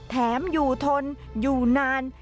แถมอยู่ทนอยู่นาน